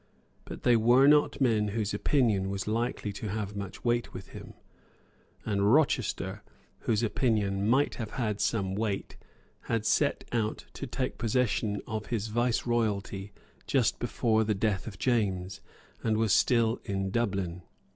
But they were not men whose opinion was likely to have much weight with him; and Rochester, whose opinion might have had some weight, had set out to take possession of his Viceroyalty just before the death of James, and was still at Dublin.